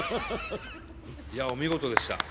いやお見事でした。